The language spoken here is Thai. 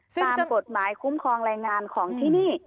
ตามกฎหมายคุ้มครองแรงงานของที่นี่